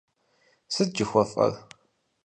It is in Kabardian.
Сыт жыхуэфӀэр?